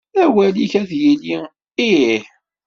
Awal-ik ad yili: Ih.